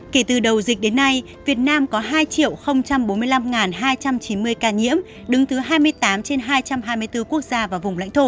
kể từ đầu dịch đến nay việt nam có hai bốn mươi năm hai trăm chín mươi ca nhiễm đứng thứ hai mươi tám trên hai trăm hai mươi bốn quốc gia và vùng lãnh thổ